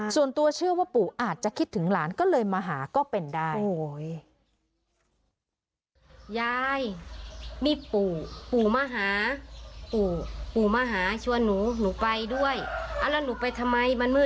ส่วนตัวเชื่อว่าปู่อาจจะคิดถึงหลานก็เลยมาหาก็เป็นได้